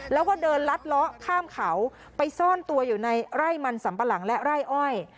แล้วก็เดินลัดเลาะข้ามเขาไปซ่อนตัวอยู่ในไร่มันสัมปะหลังและไร่อ้อย